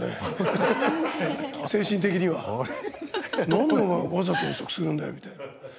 なんでお前わざと遅くするんだよみたいな。